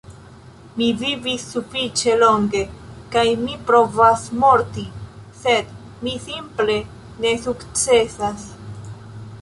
Mi vivis sufiĉe longe kaj mi provas morti, sed mi simple ne sukcesas.